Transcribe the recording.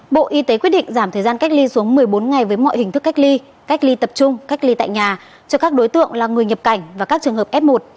bộ y tế quyết định giảm thời gian cách ly xuống một mươi bốn ngày với mọi hình thức cách ly cách ly tập trung cách ly tại nhà cho các đối tượng là người nhập cảnh và các trường hợp f một